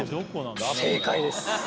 正解です。